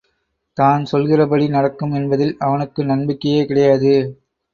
தான் சொல்கிறபடி நடக்கும் என்பதில் அவனுக்கு நம்பிக்கையே கிடையாது.